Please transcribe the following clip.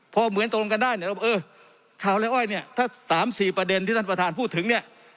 พอเหมือนตกลงกันได้ชาวไร้อ้อยถ้า๓๔ประเด็นที่ท่านประธานพูดถึง